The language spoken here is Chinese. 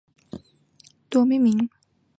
它以俄亥俄州托莱多命名。